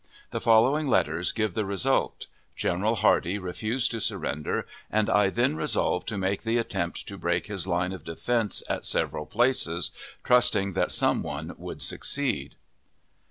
The following letters give the result. General Hardee refused to surrender, and I then resolved to make the attempt to break his line of defense at several places, trusting that some one would succeed.